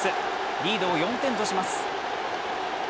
リードを４点とします。